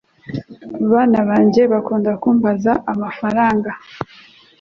bana banjye bakunze kumbaza amafaranga